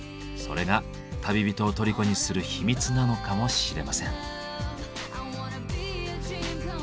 それが旅人を虜にする秘密なのかもしれません。